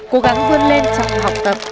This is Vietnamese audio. cố gắng vươn lên trong học tập